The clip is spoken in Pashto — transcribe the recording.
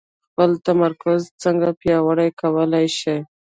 خپل تمرکز څنګه پياوړی کولای شئ؟